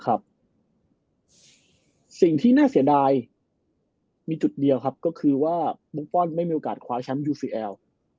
สิ่งที่น่าเสียดายมีจุดเดียวครับก็คือว่ามุงป้อนไม่มีโอกาสคว้าแชมป์ยูซีแอล